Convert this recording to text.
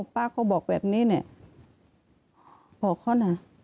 เขาบอกแบบนี้เนี่ยบอกเขานะ